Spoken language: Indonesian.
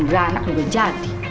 beranak udah jadi